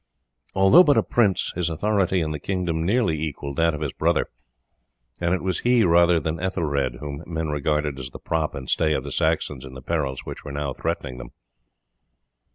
Although but a prince, his authority in the kingdom nearly equalled that of his brother, and it was he rather than Ethelred whom men regarded as the prop and stay of the Saxons in the perils which were now threatening them.